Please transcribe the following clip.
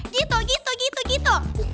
gitu gitu gitu gitu